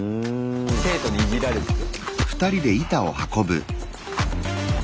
生徒にいじられてる。